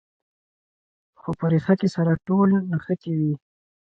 خو په ریښه کې سره ټول نښتي وي.